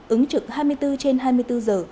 ứng trực hai mươi bốn trên hai mươi bốn giờ